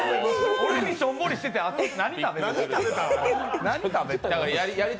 俺にしょんぼりしたあと何食べた？